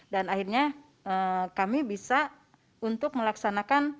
dan akhirnya kami bisa untuk melaksanakan